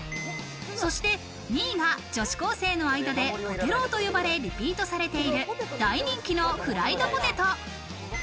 そして２位が女子高生の間でポテローと呼ばれ、リピートされている大人気のフライドポテト。